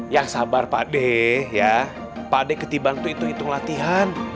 ya sabar pak deh ya pak deh ketibaan itu itu hitung latihan